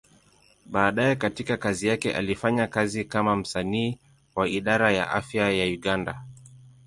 Baadaye katika kazi yake, alifanya kazi kama msanii wa Idara ya Afya ya Uganda.